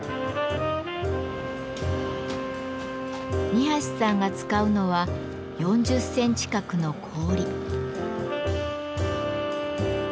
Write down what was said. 二さんが使うのは４０センチ角の氷。